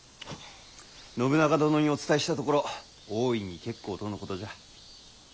信長殿にお伝えしたところ大いに結構とのことじゃ。